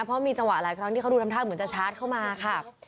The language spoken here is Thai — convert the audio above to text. เพราะมีจังหวะหลายครั้งที่เขาดูทำท่าเหมือนจะชาร์จเข้ามาค่ะ